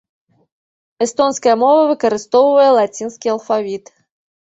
Эстонская мова выкарыстоўвае лацінскі алфавіт.